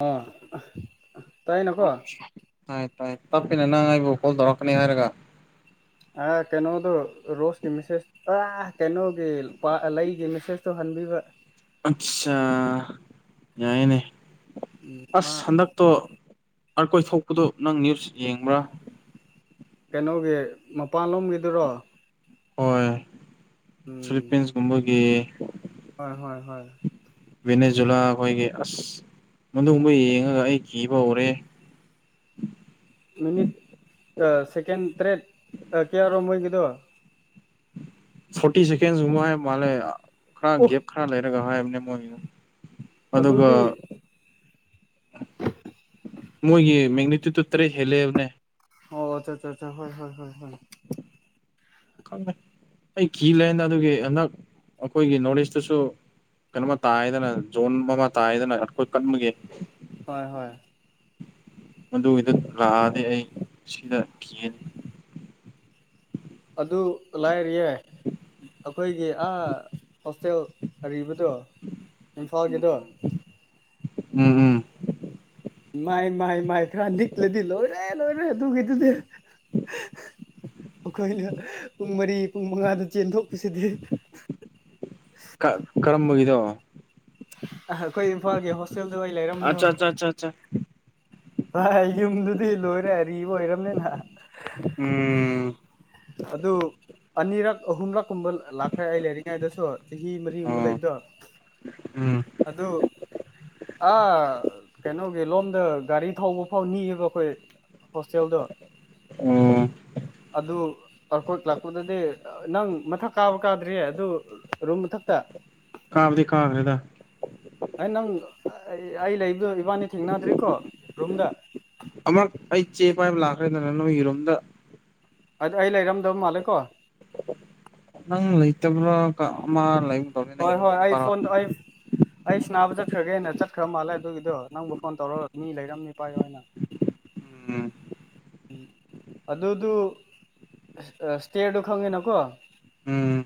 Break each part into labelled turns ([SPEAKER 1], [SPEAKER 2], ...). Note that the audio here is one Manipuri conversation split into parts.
[SPEAKER 1] ꯑ
[SPEAKER 2] ꯇꯥꯏ ꯇꯥꯏ ꯇꯞꯄꯤꯅ ꯅꯪ ꯑꯩꯕꯨ ꯀꯣꯜ ꯇꯧꯔꯛꯀꯅꯤ ꯍꯥꯏꯔꯒ
[SPEAKER 1] ꯑꯥ ꯀꯩꯅꯣꯗꯣ ꯔꯣꯁꯀꯤ ꯃꯦꯁꯦꯁ ꯄꯨꯔꯥ ꯀꯩꯅꯣꯒꯤ ꯂꯩꯒ ꯃꯦꯁꯦꯁꯇꯣ ꯍ ꯕꯤꯕ
[SPEAKER 2] ꯑꯆꯥꯥ ꯌꯥꯏꯅꯦ
[SPEAKER 1] ꯎꯝ ꯃꯥ
[SPEAKER 2] ꯑꯁ ꯍꯟꯗꯛꯇꯣ ꯑꯈꯣꯏ ꯊꯣꯛꯄꯗꯣ ꯅꯪ ꯅ꯭ꯌꯨꯁ ꯌꯦꯡꯕ꯭ꯔꯥ
[SPEAKER 1] ꯀꯩꯅꯣꯒꯤ ꯃꯄꯥꯟꯂꯣꯝꯒꯤꯗꯨꯔꯣ
[SPEAKER 2] ꯍꯣꯏ
[SPEAKER 1] ꯎꯝ
[SPEAKER 2] ꯐꯤꯂꯤꯄꯤꯟꯁꯀꯨꯝꯕꯒꯤ
[SPEAKER 1] ꯍꯣꯏ ꯍꯣꯏ ꯍꯣꯏ
[SPEAKER 2] ꯚꯦꯅꯦꯖꯨꯂꯥ ꯑꯩꯈꯣꯏꯒꯤ ꯑꯁ ꯃꯅꯨꯡꯗꯨꯝꯕ ꯌꯦꯡꯉꯒ ꯑꯩ ꯀꯤꯕ ꯍꯧꯔꯦ
[SPEAKER 1] ꯃꯤꯅꯤꯠ ꯗꯣ
[SPEAKER 2] ꯐꯣꯔꯇꯤ ꯁꯦꯀꯦꯟꯁꯒꯨꯝꯕ ꯍꯥꯏ ꯃꯥꯜꯂꯦ ꯈꯔ ꯒꯦꯞ ꯈꯔ ꯂꯩꯔꯒ ꯍꯥꯏꯕꯅꯦ ꯃꯣꯏ
[SPEAKER 1] ꯑꯗꯨꯗꯤ
[SPEAKER 2] ꯃꯣꯏꯒꯤ ꯃꯦꯒꯅꯤꯇꯤ ꯇ ꯇꯔꯦ ꯍꯦꯂꯦꯅꯦ
[SPEAKER 1] ꯑꯣ ꯑ ꯑ ꯑ ꯍꯣꯏ ꯍꯣꯏ ꯍꯣꯏ ꯍꯣꯏ
[SPEAKER 2] ꯈꯪ ꯑꯩ ꯀꯤ ꯂꯩꯦꯅ ꯑꯗꯨꯒꯤ ꯍꯟꯗꯛ ꯑꯩꯈꯣꯏꯒꯤ ꯅꯣꯔꯠ ꯏꯁꯇꯁꯨ ꯀꯩꯅꯣꯝꯃ ꯇꯥꯏꯗꯅ ꯖꯣꯟ ꯑꯃ ꯇꯥꯏꯗꯅ ꯑꯩꯈꯣꯏ ꯀꯟꯕꯒꯤꯦ
[SPEAKER 1] ꯍꯣꯏ ꯍꯣꯏ
[SPEAKER 2] ꯃꯗꯨꯒꯤꯗ ꯂꯥꯛꯑꯗꯤ ꯑꯩ ꯁꯤꯗ ꯀꯤꯅꯤ
[SPEAKER 1] ꯑꯗꯨ ꯂꯥꯏꯔꯤꯌꯦ ꯑꯩꯈꯣꯏꯒꯤ ꯑꯥ ꯍꯣꯁꯇꯦꯜ ꯑꯔꯤꯕꯗꯣ ꯏꯝꯐꯥꯜꯒꯤꯗꯣ
[SPEAKER 2] ꯎꯝ ꯎꯝ ꯎꯝ
[SPEAKER 1] ꯃꯥꯏ ꯃꯥꯏ ꯃꯥꯏ ꯐ꯭ꯔꯥ ꯅꯤꯛꯂꯗꯤ ꯂꯣꯏꯔꯦ ꯂꯣꯏꯔꯦ ꯑꯗꯨꯒꯤꯗꯨꯗꯤ ꯑꯩꯈꯣꯏꯅ ꯄꯨꯡ ꯃꯔꯤ ꯄꯨꯡ ꯃꯉꯥꯗ ꯆꯦꯟꯊꯣꯛꯄꯁꯤꯗꯤ
[SPEAKER 2] ꯀꯔꯝꯕꯒꯤꯗꯣ
[SPEAKER 1] ꯑ ꯑꯩꯈꯣꯏ ꯏꯝꯐꯥꯜꯒꯤ ꯍꯣꯁꯇꯦꯜꯗꯨ ꯑꯩ ꯂꯩꯔꯝꯕꯗꯣ
[SPEAKER 2] ꯑꯆꯥ ꯑꯆꯥ ꯑꯆꯥ ꯑꯆꯥ
[SPEAKER 1] ꯍꯣꯏ ꯌꯨꯝꯗꯨꯗꯤ ꯂꯣꯏꯔꯦ ꯑꯔꯤꯕ ꯑꯣꯏꯔꯝꯅꯤꯅ
[SPEAKER 2] ꯎꯝ
[SPEAKER 1] ꯑꯗꯨ ꯑꯅꯤꯔꯛ ꯑꯍꯨꯝꯂꯛ ꯀꯨꯝꯕ ꯂꯥꯛꯈ꯭ꯔꯦ ꯑꯩ ꯂꯩꯔꯤꯉꯩꯗꯁꯨ ꯆꯍꯤ ꯃꯔꯤꯒꯨꯝꯕ
[SPEAKER 2] ꯑꯣ
[SPEAKER 1] ꯂꯩꯕꯗꯣ
[SPEAKER 2] ꯎꯝ
[SPEAKER 1] ꯑꯗꯨ ꯑ ꯀꯩꯅꯣ ꯑꯩꯈꯣꯏ ꯂꯣꯝꯗ ꯒꯥꯔꯤ ꯊꯧꯕ ꯐꯥꯎ ꯅꯤꯑꯕ ꯑꯩꯈꯣꯏ ꯍꯣꯁꯇꯦꯜꯗꯣ
[SPEAKER 2] ꯑꯣ
[SPEAKER 1] ꯑꯗꯨ ꯑꯈꯣꯏ ꯂꯥꯛꯄꯗꯗꯤ ꯅꯪ ꯃꯊꯛ ꯀꯥꯕ ꯀꯥꯗ꯭ꯔꯤꯌꯦ ꯑꯗꯨ ꯔꯨꯝ ꯃꯊꯛꯇ
[SPEAKER 2] ꯀꯥꯕꯗꯤ ꯀꯥꯈꯔꯦꯗ
[SPEAKER 1] ꯑꯩ ꯅꯪ ꯑꯩ ꯂꯩꯕꯗ ꯏꯕꯥꯅꯤ ꯊꯦꯡꯅꯗ꯭ꯔꯤꯀꯣ ꯔꯨꯝꯗ
[SPEAKER 2] ꯑꯃꯛ ꯑꯩ ꯆꯦ ꯄꯥꯏꯕ ꯂꯥꯛꯈ꯭ꯔꯦꯗꯅ ꯅꯣꯏꯒꯤꯔꯣꯝꯗ
[SPEAKER 1] ꯑꯗꯨ ꯑꯩ ꯂꯩꯔꯝꯗꯕ ꯃꯥꯜꯂꯦ ꯀꯣ
[SPEAKER 2] ꯅꯪ ꯂꯩꯇꯕ꯭ꯔꯣ ꯂꯩ
[SPEAKER 1] ꯍꯣꯏ ꯍꯣꯏ ꯑꯥꯏ ꯐꯣꯟ ꯑ ꯑꯩꯁ ꯅꯥꯕ ꯆꯠꯈ꯭ꯔꯒꯦꯅ ꯆꯠꯈ꯭ꯔ ꯃꯥꯜꯂꯦ ꯑꯗꯨꯒꯤꯗꯣ ꯅꯪꯕꯨ ꯐꯣꯟ ꯇꯧꯔ ꯃꯤ ꯂꯩꯔꯝꯅꯤ ꯄꯥꯏꯌꯣ ꯍꯥꯏꯅ
[SPEAKER 2] ꯎꯝ
[SPEAKER 1] ꯎꯝ ꯑꯗꯨꯗꯨ ꯁꯇꯦꯔꯗꯨ ꯈꯪꯉꯤꯅꯀꯣ
[SPEAKER 2] ꯎꯝ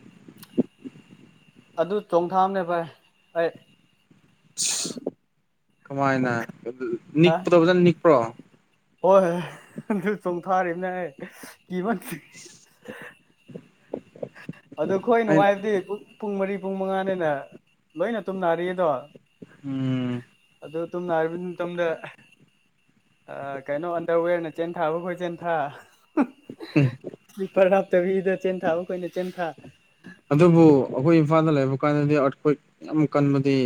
[SPEAKER 1] ꯑꯗꯨ ꯆꯣꯡꯊꯥꯝꯅꯦ ꯚꯥꯏ ꯑꯩ
[SPEAKER 2] ꯀꯃꯥꯏꯅ ꯅꯤꯛꯄꯗꯣ ꯐꯖꯅ ꯅꯤꯛꯄ꯭ꯔꯣ
[SPEAKER 1] ꯍꯣꯏꯣꯏ ꯑꯗꯨ ꯆꯣꯡꯊꯥꯔꯤꯕꯝꯅꯦ ꯀꯤ ꯃꯟ ꯑꯗꯨ ꯑꯩꯈꯣꯏ
[SPEAKER 2] ꯑꯩ
[SPEAKER 1] ꯅꯨꯡꯉꯥꯏꯕꯗꯤ ꯄꯨꯡ ꯃꯔꯤ ꯄꯨꯡ ꯃꯉꯥꯅꯤꯅ ꯂꯣꯏꯅ ꯇꯨꯝꯅꯔꯤ ꯑꯗꯣ
[SPEAKER 2] ꯎꯝ
[SPEAKER 1] ꯑꯗꯨ ꯇꯝꯅ ꯑꯔꯕꯤꯤꯟ ꯇꯗ ꯑ ꯀꯩꯅꯣ ꯑꯟꯗꯔꯋꯦꯔꯅ ꯆꯦꯟ ꯊꯥꯕꯈꯣꯏ ꯆꯦꯟ ꯊꯥ
[SPEAKER 2] ꯎꯝ
[SPEAKER 1] ꯁ꯭ꯄꯔ ꯍꯥ ꯕꯤꯗ ꯆꯦꯟꯊꯥ ꯑꯩꯈꯣꯏꯅ ꯆꯦꯟꯊꯥ
[SPEAKER 2] ꯑꯗꯨꯕꯨ ꯑꯩꯈꯣꯏ ꯏꯝꯐꯥꯜꯗ ꯂꯩꯕ ꯀꯥꯟꯗꯗꯤ ꯑꯠꯈꯣꯏ ꯌꯥꯝ ꯀꯟꯕꯗꯤ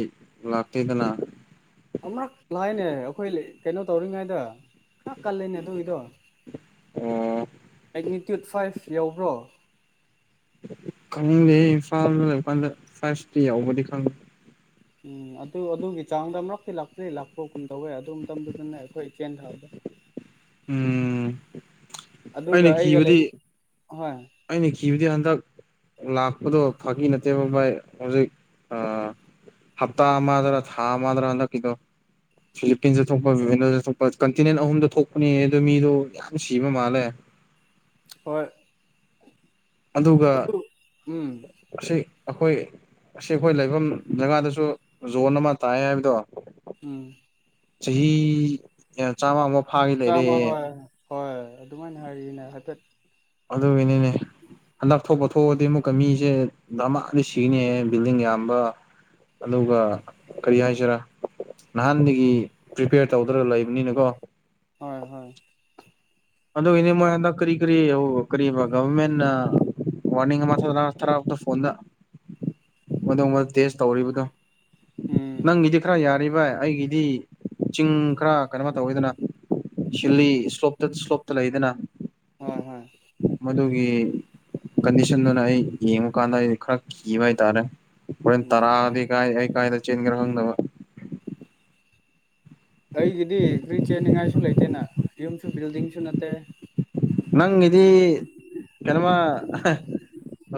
[SPEAKER 2] ꯂꯥꯛꯇꯦꯗꯅ
[SPEAKER 1] ꯑꯃꯨꯔꯛ ꯂꯥꯏꯅꯦ ꯑꯩꯈꯣꯏ ꯀꯩꯅꯣ ꯇꯧꯔꯤꯉꯩꯗ ꯈꯔ ꯀꯜꯂꯤꯦꯅꯦ ꯑꯗꯨꯒꯤꯗꯣ
[SPEAKER 2] ꯑꯣ
[SPEAKER 1] ꯃꯒꯅꯤꯇ꯭ꯌꯨꯠ ꯐꯥꯏꯚ ꯌꯎꯕ꯭ꯔꯣ
[SPEAKER 2] ꯈꯪꯅꯤꯡꯗꯦ ꯑꯩ ꯏꯝꯐꯥꯜ ꯂꯩ ꯀꯥꯟꯗ ꯐꯥꯏꯚꯇꯤ ꯌꯥꯎꯕꯗꯤ ꯈꯪꯗꯦ
[SPEAKER 1] ꯎꯝ ꯑꯗꯨ ꯑꯗꯨꯒꯤ ꯆꯥꯡꯗ ꯑꯃꯨꯛꯇꯤ ꯂꯥꯛꯇꯦ ꯂꯥꯛꯄ ꯀꯨꯝ ꯇꯧꯋꯦ ꯑꯗꯨ ꯃꯇꯝꯗꯨꯗꯅꯦ ꯑꯩꯈꯣꯏ ꯆꯦꯟꯈ꯭ꯔꯗꯣ
[SPEAKER 2] ꯎꯝ
[SPEAKER 1] ꯑꯗꯨꯒ ꯑꯩꯒ ꯂꯩꯅ
[SPEAKER 2] ꯑꯅꯤ ꯀꯕꯗꯤ ꯑꯟꯗ ꯂꯥꯛꯄꯗꯣ ꯐꯥꯒꯤ ꯅꯠꯇꯦꯕ ꯕꯥꯚꯥꯏ ꯍꯧꯖꯤꯛ ꯑ ꯍꯞꯇꯥ ꯑꯝꯗ꯭ꯔ ꯊꯥꯝꯗ꯭ꯔ ꯑꯟ ꯀ ꯏꯣ ꯐꯤꯂꯤꯄꯤꯟꯁꯇ ꯊꯣꯛꯄ ꯚꯚꯦꯟꯗꯣꯗ ꯊꯣꯛꯄ ꯀꯟꯇꯤꯅꯦꯟ ꯑꯍꯨꯝꯗ ꯊꯣꯛꯄꯅꯦ ꯑꯗꯨꯗ ꯃꯤꯗꯣ ꯌꯥꯝ ꯁꯤꯕ ꯃꯥꯜꯂꯦ
[SPEAKER 1] ꯍꯣꯏ
[SPEAKER 2] ꯑꯗꯨꯒ
[SPEAKER 1] ꯑꯗꯨ ꯎꯝ
[SPEAKER 2] ꯁꯤ ꯑꯩꯈꯣꯏ ꯑꯁꯤ ꯑꯩꯈꯣꯏ ꯂꯩꯐꯝ ꯖꯒꯥꯗꯁꯨ ꯖꯣꯟ ꯑꯃ ꯇꯥꯏ ꯍꯥꯏꯕꯗꯣ
[SPEAKER 1] ꯎꯝ
[SPEAKER 2] ꯆꯍꯤ ꯆꯥꯝꯃ ꯑꯃꯨꯛ
[SPEAKER 1] ꯆꯥꯝꯃꯣ ꯍꯣꯏ ꯍꯣꯏꯣꯏ ꯑꯗꯨꯃꯥꯏꯅ ꯍꯥꯏꯔꯤꯅꯦ ꯍꯥꯏꯐꯦꯠ
[SPEAKER 2] ꯑꯗꯨꯗ ꯏꯅꯅꯦꯗ ꯄꯣꯊꯣꯛ ꯄꯊꯣꯛꯑꯗꯤ ꯑꯃꯨꯛꯀ ꯃꯤꯁꯦ ꯃꯥꯗꯤ ꯁꯤꯅꯤꯑꯦ ꯕꯤꯜꯗꯤꯡ ꯌꯥꯝꯌꯥꯝꯕ ꯑꯗꯨꯒ ꯀꯔꯤ ꯍꯥꯏꯁꯤꯔꯥ ꯅꯍꯥꯟꯗꯒꯤ ꯄ꯭ꯔꯤꯄꯦꯌꯔ ꯇꯧꯗꯔꯒ ꯂꯩꯕꯅꯤꯅꯀꯣ
[SPEAKER 1] ꯍꯣꯏ ꯍꯣꯏ
[SPEAKER 2] ꯑꯗꯣ ꯏꯅꯦ ꯀꯔꯤ ꯀꯔꯤ ꯀꯔꯤ ꯒꯔꯃꯦꯟ ꯋꯥꯔꯅꯤꯡ ꯑꯃ ꯊꯔꯥꯃꯨꯛꯇ ꯐꯣꯟꯗ ꯃꯗ ꯇꯦꯁ ꯇꯧꯔꯤꯕꯗꯣ
[SPEAKER 1] ꯎꯝ
[SPEAKER 2] ꯅꯪ ꯏꯗꯤ ꯈ꯭ꯔꯥ ꯌꯥꯔꯚ ꯑꯩꯒꯤꯗꯤ ꯆꯤꯡ ꯈꯔ ꯀꯩꯅꯣ ꯇꯧꯋꯤꯗꯅ ꯁꯤꯜꯂꯤ ꯁ꯭ꯂꯣꯞꯇꯠ ꯁ꯭ꯂꯣꯞ ꯂꯣ ꯏꯅ
[SPEAKER 1] ꯍꯣꯏ ꯍꯣꯏ
[SPEAKER 2] ꯑꯗꯨꯒꯤ ꯀꯟꯗꯤꯁꯟꯗꯨꯅ ꯑꯩ ꯌꯦꯡꯉ ꯀꯥꯟꯗ ꯑꯩ ꯈꯔ ꯀꯤꯕ ꯍꯥꯏꯇꯥꯔꯦ ꯍꯣꯔꯦꯟ
[SPEAKER 1] ꯎꯝ
[SPEAKER 2] ꯇꯔꯥꯗꯤ ꯀꯥꯏ ꯑꯩ ꯀꯥꯏꯗ ꯆꯦꯟꯒꯦꯔꯥ ꯈꯪꯗꯕ
[SPEAKER 1] ꯑꯩꯒꯤꯗꯤ ꯀ꯭ꯔꯤ ꯆꯦꯟꯅꯤꯡꯉꯥꯏꯁꯨ ꯂꯩꯇꯦꯅ ꯌꯨꯝꯁꯨ ꯕꯤꯜꯗꯤꯡꯁꯨ ꯅꯠꯇꯦ
[SPEAKER 2] ꯅꯪ ꯏꯗꯤ ꯀꯩꯅꯃ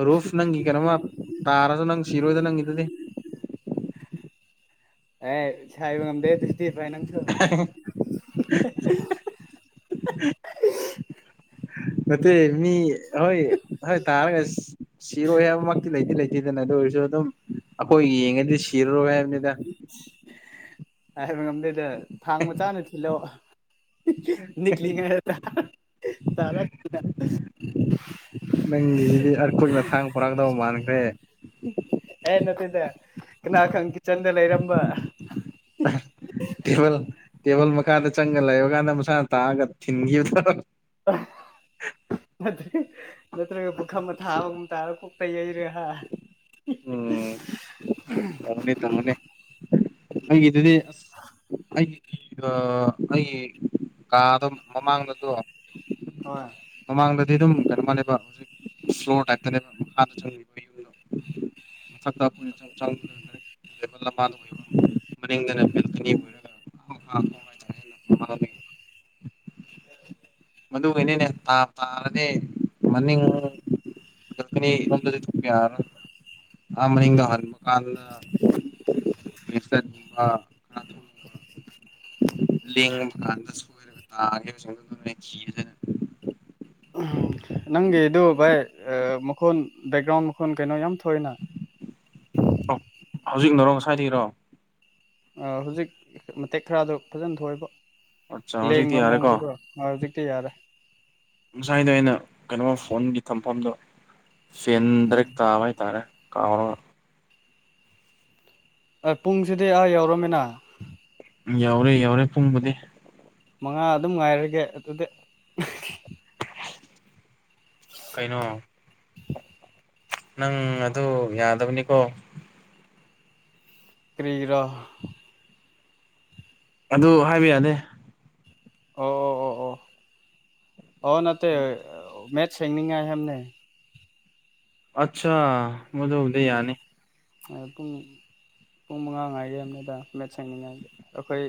[SPEAKER 2] ꯔꯨꯐ ꯅꯪꯒꯤ ꯀꯩꯅꯣꯃ ꯇꯥꯔꯁꯨ ꯅꯪ ꯁꯤꯔꯣꯏꯗ ꯅꯪꯒꯤꯗꯨꯗꯤ
[SPEAKER 1] ꯑꯦ ꯁꯥꯏꯕ ꯉꯝꯗꯦ ꯭ꯇꯤꯚꯥꯏ ꯅꯪꯁꯨ
[SPEAKER 2] [unintelligible] ꯅꯠꯇꯦ ꯃꯤ ꯍꯣꯏ ꯍꯣꯏ ꯇꯥꯔꯒ ꯁꯤꯔꯣꯏ ꯍꯥꯏꯕꯃꯛꯇꯤ ꯂꯩꯇꯤ ꯂꯩꯇꯦꯗꯅ ꯑꯗꯨ ꯑꯣꯏꯔꯁꯨ ꯑꯗꯨꯝ ꯑꯩꯈꯣꯏ ꯌꯦꯡꯉꯗꯤ ꯁꯤꯔꯔꯣꯏ ꯍꯥꯏꯕꯅꯤꯗ
[SPEAKER 1] ꯎ ꯍꯥꯏꯕ ꯉꯝꯗꯣꯏꯗ ꯊꯥꯡ ꯃꯆꯥꯥꯅ ꯊꯤꯜꯂꯛꯑꯣ ꯅꯤꯛꯂꯤꯉꯩꯗꯗ ꯇꯔ
[SPEAKER 2] ꯅꯪꯒꯤꯁꯤꯗꯤ ꯑꯈꯣꯏꯅ ꯊꯥꯡ ꯄꯨꯔꯥꯡꯗꯕ ꯃꯥꯟꯈ꯭ꯔꯦ
[SPEAKER 1] ꯑꯦ ꯅꯗ ꯀꯅꯥ ꯈꯪꯈꯤ ꯆꯟꯗ ꯂꯩꯔꯝꯕ
[SPEAKER 2] ꯇꯦꯕꯜ ꯇꯦꯕꯜ ꯃꯈꯥꯗ ꯆꯪꯉꯒ ꯂꯩꯕ ꯀꯥꯟꯗ ꯃꯁꯥꯅ ꯇꯥꯛꯑꯒ ꯊꯤꯟꯈꯤꯕꯗ
[SPEAKER 1] ꯅꯠꯇ꯭ꯔ ꯅꯠꯇ꯭ꯔꯒ ꯄꯨꯈꯝ ꯑꯊꯥꯕꯨ ꯇꯥꯔ ꯀꯣꯛꯇ ꯌꯩꯔꯦ ꯍꯥꯏ [unintelligible]
[SPEAKER 2] ꯇꯪꯅꯤ ꯇꯝꯒꯅꯤ ꯑꯩꯒꯤꯗꯨꯗꯤ ꯑꯁ ꯑꯩꯒꯤ ꯑꯩ ꯀꯥꯗꯣ ꯃꯃꯥꯡꯗꯗꯣ
[SPEAKER 1] ꯑꯣꯏ
[SPEAKER 2] ꯃꯃꯥꯡꯗꯗꯤ ꯑꯗꯨꯝ ꯀꯩꯅꯣ ꯃꯥꯥꯟꯦꯕ ꯍꯧꯖꯤꯛ ꯁ꯭ꯂꯣꯔ ꯇꯥꯏꯞꯇꯅꯦꯕ ꯍꯥꯟꯗ ꯆꯪꯉꯕ ꯌꯨꯝꯗꯣ ꯃꯊꯛꯇ ꯑꯩꯈꯣꯏ ꯆꯪꯅ ꯂꯥꯟ ꯑꯣꯏꯕ ꯃꯗ ꯕꯦꯜꯀꯅꯤ ꯑꯣꯏꯔꯒ ꯍ ꯍ ꯇ ꯃꯗꯨꯒꯤꯅꯤꯅꯦ ꯇꯥ ꯇꯥꯔꯅꯦ ꯃꯅꯤꯡ ꯅꯤꯣꯝꯗꯗꯤ ꯊꯣꯛꯄꯅ ꯑꯥ ꯃꯤꯡꯗꯣ ꯍꯟꯕ ꯀꯥꯟꯗ ꯦꯁꯝꯕ ꯀ ꯂ ꯀꯥꯟꯗꯁꯨ ꯑꯣꯏꯔ ꯇꯥꯒꯦ
[SPEAKER 1] ꯅꯪꯒꯤꯗꯨ ꯚꯥꯏ ꯃꯈꯣꯟ ꯕꯦꯛꯒ꯭ꯔꯥꯎꯟ ꯃꯈꯣꯟ ꯀꯩꯅꯣ ꯌꯥꯝ ꯊꯣꯏꯅ
[SPEAKER 2] ꯑꯣ ꯍꯧꯖꯤꯛꯅꯔꯣ ꯉꯁꯥꯏꯗꯒꯤꯔꯣ
[SPEAKER 1] ꯍꯧꯖꯤꯛ ꯃꯇꯦꯛ ꯈꯔꯗꯣ ꯐꯖꯅ ꯊꯣꯛꯏꯦꯕ
[SPEAKER 2] ꯑꯠꯆꯥ ꯍꯧꯖꯤꯛꯇꯤ
[SPEAKER 1] ꯂꯦꯡꯕ
[SPEAKER 2] ꯌꯥꯔꯦꯀꯣ
[SPEAKER 1] ꯃꯑꯣꯡꯗꯨꯒꯣ ꯍꯧꯖꯤꯛꯇꯤ ꯌꯥꯔꯦ
[SPEAKER 2] ꯉꯁꯥꯏꯗꯣ ꯑꯩꯅ ꯀꯩꯅꯣ ꯐꯣꯟꯒꯤ ꯊꯝꯐꯝꯗꯣ ꯆꯦꯟ ꯗ꯭ꯔꯦꯛ ꯇꯥꯕ ꯍꯥꯏꯇꯥꯔꯦ ꯀꯥꯎꯔ
[SPEAKER 1] ꯄꯨꯡꯁꯤꯗꯤ ꯑꯥ ꯌꯎꯔꯝꯃꯤꯅ
[SPEAKER 2] ꯌꯥꯎꯔꯦ ꯌꯥꯎꯔꯦ ꯄꯨꯡꯕꯨꯗꯤ
[SPEAKER 1] ꯃꯉꯥ ꯑꯗꯨꯝ ꯉꯥꯏꯔꯒꯦ ꯑꯗꯨꯗꯤ
[SPEAKER 2] ꯀꯩꯅꯣ ꯅꯪ ꯑꯗꯨ ꯌꯥꯗꯕꯅꯤꯀꯣ
[SPEAKER 1] ꯀꯔꯤꯒꯔꯥ
[SPEAKER 2] ꯑꯗꯨ ꯍꯥꯏꯕ ꯌꯥꯅꯦ
[SPEAKER 1] ꯑꯣ ꯑꯣ ꯑꯣ ꯑꯣ ꯑꯣ ꯅꯠꯇꯦ ꯃꯦꯆ ꯁꯦꯡꯅꯤꯉꯥꯏ ꯍꯥꯏꯦꯦꯝꯅꯦ
[SPEAKER 2] ꯑꯆꯥ ꯑꯣꯗ ꯎꯗ ꯌꯥꯅꯤ
[SPEAKER 1] ꯑꯗꯨꯨꯝ ꯄꯨꯡ ꯃꯉꯥ ꯉꯥꯏꯒꯤ ꯑꯅꯦꯗ ꯃꯦꯠꯁ ꯁꯦꯡꯅꯤꯡꯉꯥꯏꯒꯤ ꯑꯩꯈꯣꯏ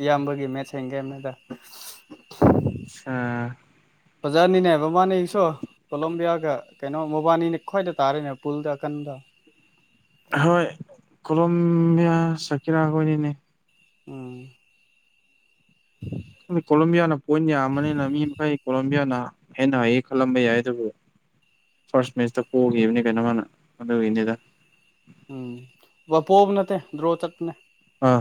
[SPEAKER 1] ꯏꯌꯥꯝꯕꯒꯤ ꯃꯦꯠꯁ ꯍꯦꯡꯒꯦꯦꯝꯅꯦꯗ [inaudible]
[SPEAKER 2] ꯑ
[SPEAKER 1] ꯄꯖꯥꯔꯅꯤꯅꯦ ꯕꯃꯥꯅꯦ ꯑꯩꯁꯨ ꯀꯣꯂꯣꯝꯕꯤꯌꯥꯒ ꯀꯩꯅꯣ ꯃꯕꯥꯅꯤꯅ ꯈ꯭ꯋꯥꯏꯗ ꯇꯥꯔꯦꯅꯦ ꯄꯨꯜꯗ ꯑꯀꯟꯗ [inaudible]
[SPEAKER 2] ꯍꯣꯏ ꯀꯣꯂꯣꯕꯤꯌꯥ ꯁꯀꯤꯔꯥꯈꯅꯤꯅꯦ
[SPEAKER 1] ꯎꯝ
[SPEAKER 2] ꯀꯣꯂꯝꯣꯕꯤꯌꯥꯅ ꯄꯣꯏꯟ ꯌꯥꯝꯕꯅꯤꯅ ꯃꯤ ꯃꯈꯩ ꯀꯣꯂꯝꯣꯕꯤꯌꯥꯅ ꯍꯦꯟꯅ ꯍꯩꯌꯦ ꯈꯜꯂꯝꯕ ꯌꯥꯏ ꯑꯗꯨꯕꯨ ꯐꯥꯔꯁ ꯃꯦꯆꯇ ꯀꯣꯛꯈꯤꯕꯅꯤ ꯀꯩꯅꯣ ꯃꯥꯅ ꯑꯗꯨ ꯏꯅꯤꯗ
[SPEAKER 1] ꯎꯝ ꯋꯥꯄꯣꯕ ꯅꯠꯇꯦ ꯗ꯭ꯔꯣꯆꯠꯅꯦ
[SPEAKER 2] ꯑꯥ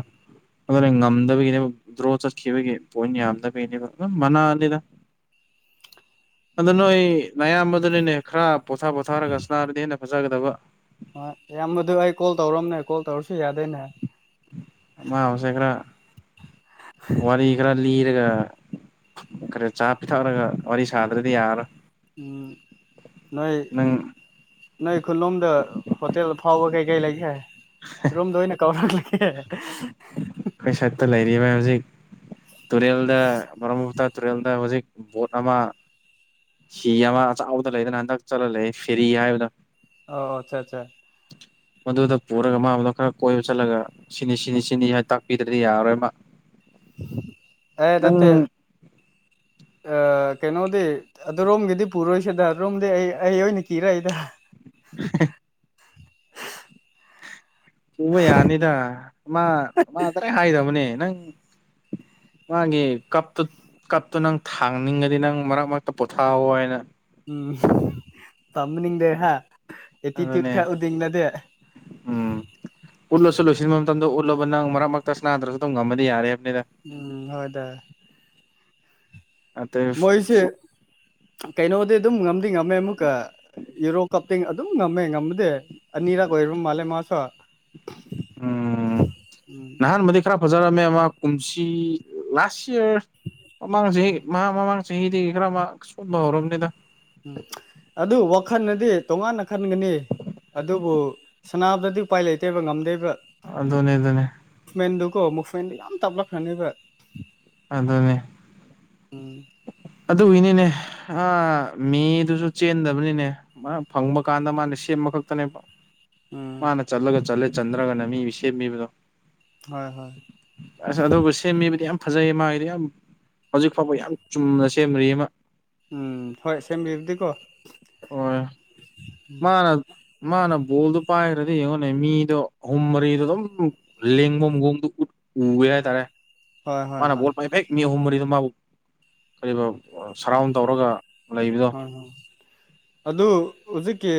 [SPEAKER 2] ꯑꯗꯨꯅ ꯉꯝꯗꯕꯒꯤꯅꯦꯕ ꯗ꯭ꯔꯣ ꯆꯠꯈꯤꯕꯒꯤ ꯄꯣꯏꯟ ꯌꯥꯝꯗꯕꯒꯤꯅꯦꯕ ꯑꯗꯨꯝ ꯃꯅꯥꯅꯤꯗ
[SPEAKER 1] [inaudible]
[SPEAKER 2] ꯑ ꯅꯣꯏ ꯃꯌꯥꯝꯕꯗꯅꯤꯅꯦ ꯈꯔ ꯄꯣꯊꯥ ꯄꯣꯊꯥꯔꯒꯅꯥꯕꯗ ꯍꯦꯟꯅ ꯐꯖꯒꯗꯕ
[SPEAKER 1] ꯣꯏ ꯏꯌꯥꯝꯕꯗꯨ ꯑꯩ ꯀꯣꯜ ꯇꯧꯔꯝꯅꯦ ꯀꯣꯜ ꯇꯧꯔꯁꯨ ꯌꯥꯗꯣꯏꯅꯦ
[SPEAKER 2] ꯑꯃ ꯍꯧꯁꯦꯈꯔ ꯋꯥꯔ ꯏ ꯀꯔ ꯂꯤ ꯏꯔꯒ ꯈꯔ ꯆꯥ ꯄꯤꯊꯛꯔꯒ ꯋꯥꯔꯤ ꯁꯥꯗ꯭ꯔꯗꯤ ꯌꯥꯔꯣꯏ
[SPEAKER 1] ꯅꯣꯏ
[SPEAKER 2] ꯅꯪ
[SPEAKER 1] ꯅꯣꯏ ꯈꯨꯜꯂꯣꯝꯗ ꯍꯣꯇꯦꯜ ꯐꯥꯎꯕ ꯀꯩ ꯀꯩ ꯂꯩꯒꯦꯔꯣꯝꯗ ꯑꯣꯏꯅ ꯀꯧꯔꯦ ꯍ
[SPEAKER 2] ꯑꯩꯈꯣꯏ ꯁꯥꯏꯠꯇ ꯍꯧꯖꯤꯛ ꯇꯨꯔꯦꯜꯗ ꯃꯔ ꯇ꯭ꯔꯦꯜꯗ ꯍꯧꯖꯤꯛ ꯕꯣꯠ ꯑꯃ ꯍꯤ ꯑꯃ ꯑ ꯆꯥꯎꯕꯗ ꯂꯩꯗꯅ ꯍꯟꯗꯛ ꯆꯠꯂ ꯂꯩꯦ ꯐꯦꯔꯤ ꯍꯥꯏꯕꯗ
[SPEAKER 1] ꯑꯣ ꯑꯆꯥ ꯑꯠꯆꯥ
[SPEAKER 2] ꯃꯗꯨꯗ ꯄꯨꯔꯒ ꯃꯥ ꯑꯗꯣ ꯈꯔ ꯀꯣꯏꯕ ꯆꯠꯂꯒ ꯁꯤꯅꯤ ꯁꯤꯅꯤ ꯁꯤꯅꯤ ꯍꯥꯏ ꯇꯥꯛꯄꯤꯗ꯭ꯔꯗꯤ ꯌꯥꯔꯣꯏ ꯃꯥ
[SPEAKER 1] ꯑꯦ ꯅꯠꯇꯦ
[SPEAKER 2] ꯅꯪ
[SPEAKER 1] ꯑ ꯀꯩꯅꯣꯗꯤ ꯑꯗꯨꯔꯣꯝꯒꯤꯗꯤ ꯄꯨꯔꯣꯏꯁꯤꯗꯣꯝꯗꯤ ꯑꯩ ꯑꯩ ꯑꯣꯏꯅ ꯀꯤꯔꯛꯏꯗ [unintelligible]
[SPEAKER 2] ꯁꯨꯕ ꯌꯥꯅꯤꯗ ꯃꯥ ꯃꯥ ꯇꯗꯥ ꯍꯥꯏꯗꯕꯅꯦ ꯅꯪ ꯃꯥꯒꯤ ꯀꯞꯇꯨ ꯀꯞꯇꯨ ꯅꯪ ꯊꯥꯡꯅꯤꯡꯉꯗꯤ ꯅꯪ ꯃꯔꯛ ꯃꯔꯛꯇ ꯄꯣꯊꯥꯑꯣꯣ ꯍꯥꯏꯅ
[SPEAKER 1] ꯎꯝ ꯇꯝꯅꯤꯡꯗꯦ ꯍꯥ ꯑꯦꯇꯤꯇ꯭ꯌꯨꯠ
[SPEAKER 2] ꯑꯗꯨꯅꯦ
[SPEAKER 1] ꯈꯔ ꯎꯗꯤꯡꯅꯗꯦ
[SPEAKER 2] ꯎꯝ ꯎꯠꯂꯁꯨ ꯂꯣꯏꯁꯤꯟꯕ ꯃꯇꯝꯗ ꯎꯠꯂꯨꯕ ꯅꯪ ꯃꯔꯛ ꯃꯔꯛꯇꯁ ꯅꯥꯗ꯭ꯔꯁꯨ ꯑꯗꯨꯝ ꯉꯝꯃꯗꯤ ꯌꯥꯔꯦ ꯍꯥꯏꯕꯅꯤꯗ
[SPEAKER 1] ꯎꯝ ꯍꯣꯏ ꯇ
[SPEAKER 2] ꯑꯇꯩ
[SPEAKER 1] ꯃꯣꯏꯁꯦ ꯀꯩꯅꯣꯗꯤ ꯑꯗꯨꯝ ꯉꯝꯗꯤ ꯉꯝꯃꯦ ꯑꯃꯨꯛꯀ ꯌꯨꯔꯣ ꯀꯞꯇꯤꯡ ꯑꯗꯨꯝ ꯉꯝꯃꯦ ꯉꯝꯃꯗꯦ ꯑꯅꯤꯔꯛ ꯑꯣꯏꯔ ꯃꯥꯜꯂꯦ ꯃꯥꯁꯨ
[SPEAKER 2] ꯎꯝ
[SPEAKER 1] ꯎꯝ
[SPEAKER 2] ꯅꯍꯥꯟ ꯃꯗꯤ ꯈꯔ ꯑꯣꯖꯔꯝꯃꯦ ꯑꯃ ꯀꯨꯝꯁꯤ ꯂꯥꯁ ꯏꯌꯥꯔ ꯃꯃꯥꯡ ꯆꯍꯤ ꯃꯍꯥꯛ ꯃꯃꯥꯡ ꯆꯍꯤꯗꯒꯤ ꯈꯔ ꯁꯣꯟꯕ ꯍꯧꯔꯕꯅꯤꯗ
[SPEAKER 1] ꯎ ꯑꯗꯨ ꯋꯥꯈꯜꯅꯗꯤ ꯇꯣꯉꯥꯟꯅ ꯈꯟꯒꯅꯤ ꯑꯗꯨꯕꯨ ꯁꯅꯥꯕꯨꯗꯗꯤ ꯎꯄꯥꯏ ꯂꯩꯇꯦꯕ ꯉꯝꯗꯦꯕ꯭ꯔꯥ
[SPEAKER 2] ꯑꯗꯨ ꯑꯗꯨꯅꯦ ꯑꯗꯨ ꯑꯗꯨꯅꯦ
[SPEAKER 1] ꯀꯣ ꯃꯨꯚꯃꯦꯟꯗꯣ ꯌꯥꯝ ꯇꯥꯞꯂꯛꯈꯅꯦꯕ
[SPEAKER 2] ꯑꯗꯨꯗꯅꯦ ꯑꯗꯨꯒꯤꯅꯤꯅꯦ ꯑ ꯃꯤꯗꯨꯁꯨ ꯆꯦꯟꯗꯕꯅꯤꯅꯦ ꯐꯪꯕ ꯀꯥꯟꯗ ꯃꯥꯅꯦ ꯑꯃ ꯈꯛꯇꯅꯦꯕ
[SPEAKER 1] ꯎꯝ
[SPEAKER 2] ꯃꯥꯅ ꯆꯠꯂꯒ ꯆꯠꯂꯦ ꯆꯟꯗ꯭ꯔꯒꯅ ꯃꯤ ꯁꯦꯝꯕꯤꯕꯗꯣ
[SPEAKER 1] ꯍꯣꯏ ꯍꯣꯏ
[SPEAKER 2] ꯑ ꯑꯗꯨꯒꯕꯨ ꯁꯦꯝꯃꯤꯕꯗꯤ ꯌꯥꯝ ꯐꯖꯩꯌꯦ ꯃꯥꯒꯤꯗ ꯌꯥꯝ ꯍꯧꯖꯤꯛ ꯐꯥꯎꯕ ꯌꯥꯝ ꯆꯨꯝꯅ ꯁꯦꯝꯅꯔꯤ ꯑꯃ
[SPEAKER 1] ꯎꯝ ꯍꯣꯏ ꯁꯝꯕꯤꯗꯤꯀꯣ
[SPEAKER 2] ꯍꯣꯏ ꯃꯥꯅ ꯃꯥꯅ ꯣꯜꯗ ꯄꯥꯏꯔ ꯌꯦꯡꯉꯣꯅꯦ ꯃꯤꯗꯣ ꯑꯍꯨꯝ ꯃꯔꯤꯗꯣ ꯑꯗꯨꯝ ꯂꯦꯡꯕ ꯃꯒꯣꯡꯗꯣ ꯎ ꯎꯋꯦ ꯍꯥꯏꯇꯥꯔꯦ
[SPEAKER 1] ꯍꯣꯏ ꯍꯣꯏ
[SPEAKER 2] ꯃꯥꯅ
[SPEAKER 1] ꯍꯣꯏ
[SPEAKER 2] ꯕꯣꯜ ꯄꯥꯏ ꯍꯦꯛ ꯃꯤ ꯑꯍꯨꯝ ꯃꯔꯤꯗ ꯃꯥꯕꯨ ꯀꯔꯤꯕ ꯁꯔꯥꯎꯟ ꯇꯧꯔꯒ ꯂꯩꯕꯗꯣ
[SPEAKER 1] ꯍꯣꯏ ꯍꯣꯏ ꯑꯗꯨ ꯍꯧꯖꯤꯛꯀꯤ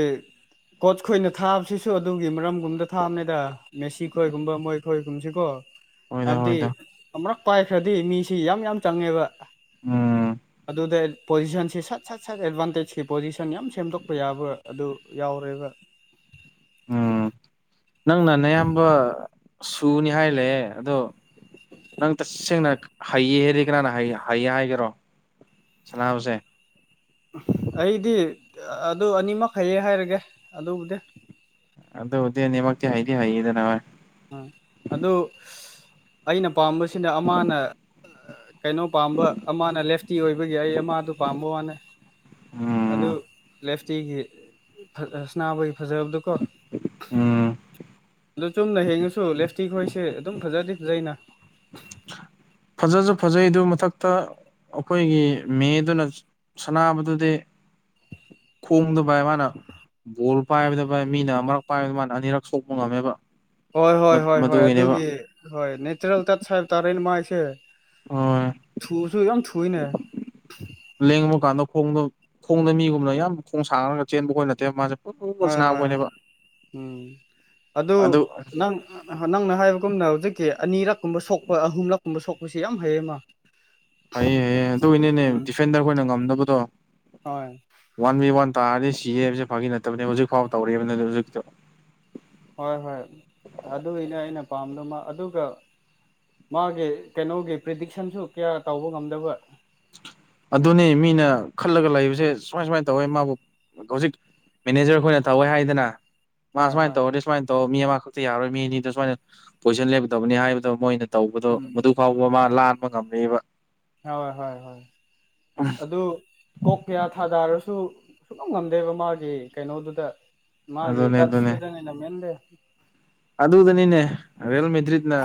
[SPEAKER 1] ꯀꯣꯆ ꯈꯣꯏꯅ ꯊꯥꯕꯁꯤꯁꯨ ꯑꯗꯨꯒꯤ ꯃꯔꯝꯒꯨꯝꯗ ꯊꯥꯕꯅꯦꯗ ꯃꯦꯁꯤ ꯈꯣꯏꯒꯨꯝꯕ ꯃꯣꯏ ꯈꯣꯏꯒꯨꯝꯕꯁꯤ ꯀꯣ
[SPEAKER 2] ꯍꯣꯏꯗ
[SPEAKER 1] ꯍꯥꯏꯕꯗꯤ
[SPEAKER 2] ꯍꯣꯏꯗ
[SPEAKER 1] ꯑꯃꯨꯛ ꯄꯥꯏꯈ꯭ꯔꯗꯤ ꯃꯤꯁꯤ ꯌꯥꯝ ꯌꯥꯝ ꯆꯪꯉꯦꯕ
[SPEAKER 2] ꯎꯝ
[SPEAKER 1] ꯑꯗꯨ ꯑꯗꯨꯗ ꯄꯣꯖꯤꯁꯟꯁꯤꯁꯠ ꯁꯠ ꯁꯠ ꯑꯦꯗꯚꯥꯟꯇꯦꯖꯀꯤ ꯄꯣꯖꯤꯁꯟ ꯌꯥꯝ ꯁꯦꯝꯗꯣꯛꯄ ꯌꯥꯕ ꯑꯗꯨ ꯌꯥꯎꯔꯦꯕ
[SPEAKER 2] ꯎꯝ ꯅꯪꯅꯅꯌꯥꯝꯕ ꯁꯨꯅꯤ ꯍꯥꯏꯂꯦ ꯑꯗꯣ ꯅꯪ ꯇꯁꯦꯡꯅ ꯍꯩꯌꯦ ꯍꯥꯏꯔꯤ ꯀꯅꯥꯅ ꯍꯩꯌꯦ ꯍꯥꯏꯒꯦꯔꯣ ꯁꯅꯥꯕꯁꯦ
[SPEAKER 1] ꯑꯩꯗꯤ ꯑꯗꯨ ꯑꯅꯤꯃꯩꯌꯦ ꯍꯥꯏꯔꯒꯦ ꯑꯗꯨꯕꯨꯗꯤ
[SPEAKER 2] ꯑꯗ ꯍꯧꯗꯦꯅꯤꯃ ꯍꯥꯏꯗꯤ ꯍꯥꯏꯗ ꯅꯋꯥ
[SPEAKER 1] ꯑ ꯑꯗꯨ ꯑꯩꯅ ꯄꯥꯝꯕꯁꯤꯅ ꯑꯃꯅ ꯀꯩꯅꯣ ꯄꯥꯝꯕ ꯑꯃꯅ ꯂꯦꯐꯇꯤ ꯑꯣꯏꯕꯒꯤ ꯑꯩ ꯑꯃꯗꯨ ꯄꯥꯝꯕ ꯋꯥꯅꯦ ꯑꯗꯨ
[SPEAKER 2] ꯎꯝ
[SPEAKER 1] ꯂꯦꯐ ꯇꯤ ꯁꯅꯥꯕꯒꯤ ꯐꯖꯕꯗꯨꯀꯣ
[SPEAKER 2] ꯎꯝ
[SPEAKER 1] ꯑꯗꯨ ꯆꯨꯝꯅ ꯍꯤꯡꯉꯁꯨ ꯂꯦꯞꯁꯇꯤ ꯈꯣꯏꯁꯦ ꯑꯗꯨꯝ ꯐꯖꯗꯤ ꯐꯖꯩꯅ
[SPEAKER 2] ꯐꯖꯁꯨ ꯐꯖꯩ ꯑꯗꯨ ꯃꯊꯛꯇ ꯑꯩꯈꯣꯏꯒꯤ ꯃꯦ ꯗꯨꯅ ꯁꯅꯥꯕꯗꯨꯗꯤ
[SPEAKER 1] [inaudible]
[SPEAKER 2] ꯈꯣꯡꯗꯕꯥꯢ ꯃꯥꯅ ꯕꯣꯜ ꯄꯥꯏꯕꯗ ꯚꯥꯢ ꯃꯤꯅ ꯑꯃꯔꯛ ꯄꯥꯏꯕꯗ ꯃꯥꯅ ꯑꯅꯤꯔꯛ ꯁꯣꯛꯄ ꯉꯝꯃꯦꯕ
[SPEAKER 1] ꯍꯣꯏ ꯍꯣꯏ ꯍꯣꯏ ꯍꯣꯏ
[SPEAKER 2] ꯃꯗꯨꯒꯤꯅꯦꯕ
[SPEAKER 1] ꯑꯗꯨꯒꯤ ꯍꯣꯏ ꯅꯦꯆꯔꯦꯜ ꯇꯠꯁ ꯍꯥꯏꯕ ꯇꯥꯔꯦꯅꯦ ꯃꯥꯏꯁꯦ
[SPEAKER 2] ꯍꯣꯏ
[SPEAKER 1] ꯊꯨꯁꯨꯨ ꯌꯥꯝ ꯊꯨꯢꯅꯦ
[SPEAKER 2] ꯈꯣꯡꯗ ꯈꯣꯡꯗ ꯃꯤꯒꯨꯝꯅ ꯌꯥꯝ ꯈꯣꯡ ꯁꯥꯡꯅꯔꯒ ꯆꯦꯟꯕ ꯈꯣꯢ ꯅꯠꯇꯦꯕ ꯃꯥꯁꯦ ꯄꯨ ꯄꯨꯠ
[SPEAKER 1] ꯍꯣꯏ ꯍꯣꯏ ꯍꯣꯏ
[SPEAKER 2] ꯁꯅꯥꯕꯩꯅꯦꯕ
[SPEAKER 1] ꯎꯝ ꯑꯗꯨ ꯅꯪ ꯅꯪꯅ ꯍꯥꯏꯕꯒꯨꯝꯅ ꯍꯧꯖꯤꯛꯀꯤ ꯑꯅꯤꯔꯛ ꯀꯨꯝꯕ ꯁꯣꯛꯄ ꯑꯍꯨꯝꯂꯛꯀꯨꯝꯕ ꯁꯣꯛꯄꯁꯦ ꯌꯥꯝ ꯍꯩꯌꯦ ꯃꯥ
[SPEAKER 2] ꯍꯩꯌꯦ ꯍꯩꯌꯦ ꯑꯗꯨꯢꯅꯤꯅꯦ
[SPEAKER 1] ꯎꯝ
[SPEAKER 2] ꯗꯤꯐꯦꯟꯗꯔ ꯈꯣꯏꯅ ꯉꯝꯗꯕꯗꯣ
[SPEAKER 1] ꯍꯣꯏ
[SPEAKER 2] ꯋꯥꯟ ꯕꯤ ꯋꯥꯟ ꯇꯥꯔꯗꯤ ꯁꯤꯌꯦ ꯍꯥꯏꯕꯁꯦ ꯐꯥꯒꯤ ꯅꯠꯇꯕꯅꯦ ꯍꯧꯖꯤꯛ ꯐꯥꯎ ꯇꯧꯔꯕꯅꯗꯤ ꯍꯧꯖꯤꯛꯇꯣ
[SPEAKER 1] ꯍꯣꯏ ꯍꯣꯏ ꯑꯗꯨꯒꯤꯅꯦ ꯑꯩꯅ ꯄꯥꯝꯕꯗꯨ ꯃꯥ ꯑꯗꯨꯒ ꯃꯥꯒꯤ ꯀꯩꯅꯣꯒꯤ ꯄ꯭ꯔꯤꯗꯤꯛꯁꯟꯁꯨ ꯀꯌꯥ ꯇꯧꯕ ꯉꯝꯗꯕ
[SPEAKER 2] ꯑꯗꯨꯅꯤ ꯃꯤꯅ ꯈꯜꯂꯒ ꯂꯩꯕꯁꯦ ꯁꯨꯃꯥꯏ ꯁꯨꯃꯥꯏ ꯇꯧꯋꯦ ꯃꯥꯕꯨ ꯍꯧꯖꯤꯛ ꯃꯦꯅꯦꯖꯔ ꯈꯣꯏꯅ ꯇꯧꯋꯦ ꯍꯥꯏꯗꯅ ꯃꯥ
[SPEAKER 1] ꯍꯣꯏ
[SPEAKER 2] ꯁꯨꯃꯥꯏꯅ
[SPEAKER 1] ꯍꯣꯏ
[SPEAKER 2] ꯇꯧꯔꯗꯤ ꯁꯨꯃꯥꯏꯅ ꯇꯧ ꯃꯤ ꯑꯃꯈꯛꯇ ꯌꯥꯔꯣꯏ ꯃꯤ ꯑꯅꯤꯗ ꯁꯨꯃꯥꯏꯅ ꯄꯣꯖꯤꯁꯟ ꯂꯦꯒꯗꯕꯅꯤ ꯍꯥꯏꯕꯗꯣ ꯃꯣꯏꯅ ꯇꯧꯕꯗꯣ
[SPEAKER 1] ꯎꯝ
[SPEAKER 2] ꯃꯗꯨ ꯐꯥꯎꯕ ꯃꯥ
[SPEAKER 1] ꯎꯝ
[SPEAKER 2] ꯂꯥꯟꯕ ꯉꯝꯃꯦꯕ
[SPEAKER 1] ꯍꯣꯏ ꯍꯣꯏ ꯍꯣꯏ ꯑꯗꯨ ꯀꯣꯛ ꯀꯌꯥ ꯊꯥꯗꯥꯔꯁꯨ ꯁꯨꯉꯝ ꯉꯝꯗꯦꯕ ꯃꯥꯒꯤ ꯀꯩꯅꯣꯗꯨꯗ ꯃꯥꯒꯤ
[SPEAKER 2] ꯑꯗꯨꯅꯦ ꯑꯗꯨꯅꯦ
[SPEAKER 1] ꯇꯠꯁꯇꯨꯗꯅꯤꯅ ꯃꯦꯟꯁꯂꯤ
[SPEAKER 2] ꯑꯗꯨꯗꯅꯤꯅꯦ ꯔꯤꯌꯦꯜ ꯃꯦꯗ꯭ꯔꯤꯠꯅ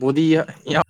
[SPEAKER 2] ꯕꯣꯗꯤ ꯌꯥꯝ